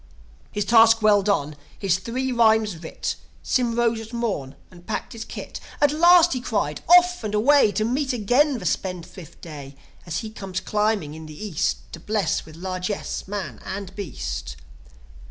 His task well done, his three rhymes writ, Sym rose at morn, and packed his kit. "At last!" he cried. "Off and away To meet again the spendthrift Day, As he comes climbing in the East, To bless with largesse man and beast.